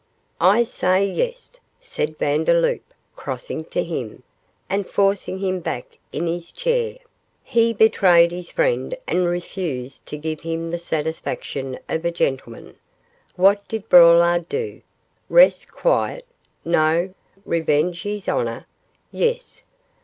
'I say, yes!' said Vandeloup, crossing to him, and forcing him back in his chair; 'he betrayed his friend and refused to give him the satisfaction of a gentleman. What did Braulard do? Rest quiet? No. Revenge his honour? Yes!